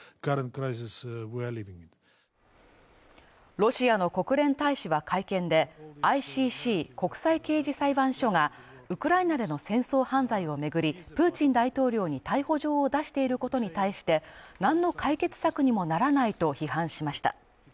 ロシアの国連大使は会見でＩＣＣ＝国際刑事裁判所がウクライナでの戦争犯罪を巡り、プーチン大統領に逮捕状を出していることに対して何の解決策にもならないと批判しました。